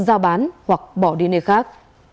giao bán hoặc bỏ đi nơi khác